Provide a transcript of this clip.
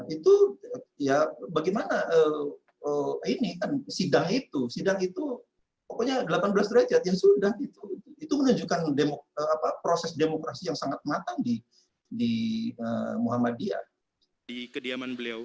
itu ya bagaimana ini kan sidang itu sidang itu pokoknya delapan belas derajat ya sudah itu menunjukkan proses demokrasi yang sangat matang di muhammadiyah di kediaman beliau